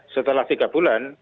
setelah tiga bulan